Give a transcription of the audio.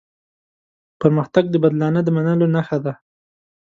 پرمختګ د بدلانه د منلو نښه ده.